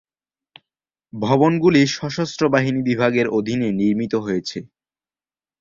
ভবনগুলি সশস্ত্র বাহিনী বিভাগের অধীনে নির্মিত হয়েছে।